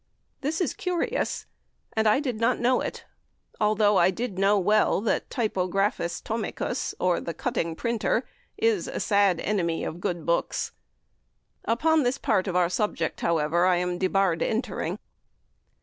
This is curious, and I did not know it, although I know well that Typographus Tomicus, or the "cutting printer," is a sad enemy of (good) books. Upon this part of our subject, however, I am debarred entering.